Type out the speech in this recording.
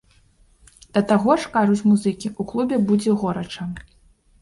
Да таго ж, кажуць музыкі, у клубе будзе горача!